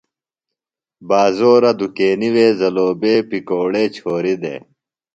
بازورہ دُکینی وے زلوبے، پکوڑے چھوریۡ دےۡ۔